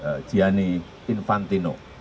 dengan gianni infantino